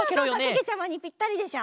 けけちゃまにぴったりでしょ？